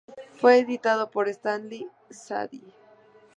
Fue editado por Stanley Sadie.